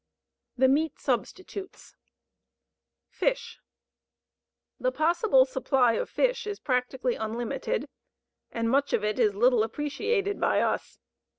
THE MEAT SUBSTITUTES Fish. The possible supply of fish is practically unlimited, and much of it is little appreciated by us.